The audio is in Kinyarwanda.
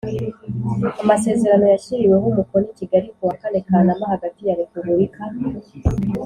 amasezerano yashyiriweho umukono i Kigali kuwa kane Kanama hagati ya Repubulika